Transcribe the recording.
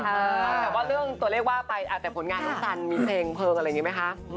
แต่ว่าเรื่องตัวเลขว่าไปแต่ผลงานน้องสันมีเพลงเพลิงอะไรอย่างนี้ไหมคะ